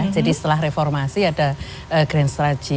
jadi setelah reformasi ada grand strategy